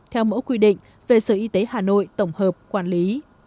theo mẫu quy định về sở y tế hà nội tổng hợp quản lý